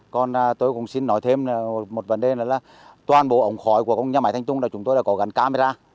còn tôi cũng xin nói thêm một vấn đề là toàn bộ ổng khói của nhà máy thanh tung là chúng tôi có gắn camera